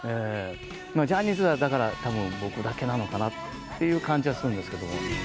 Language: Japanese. ジャニーズは、だから、たぶん、僕だけなのかなっていう感じはするんですけどね。